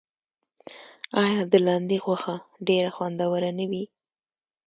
آیا د لاندي غوښه ډیره خوندوره نه وي؟